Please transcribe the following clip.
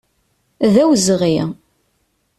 D awezɣi.